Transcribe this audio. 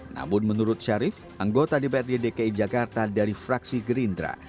namun menurut syarif anggota dprd dki jakarta dari fraksi gerindra